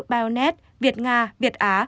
bionet việt nga việt á